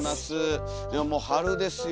いやもう春ですよ。